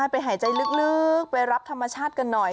ไปหายใจลึกไปรับธรรมชาติกันหน่อย